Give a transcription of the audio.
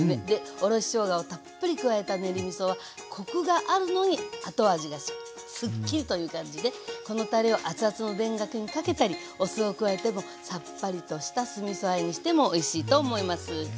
おろししょうがをたっぷり加えた練りみそはコクがあるのに後味がすっきりという感じでこのたれをアツアツの田楽にかけたりお酢を加えてもさっぱりとした酢みそあえにしてもおいしいと思います。